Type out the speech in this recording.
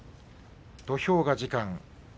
土俵が時間。